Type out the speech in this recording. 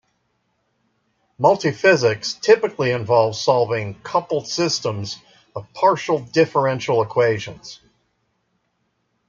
Multiphysics typically involves solving coupled systems of partial differential equations.